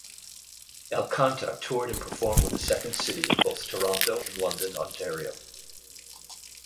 Alcantar toured and performed with The Second City in both Toronto and London, Ontario.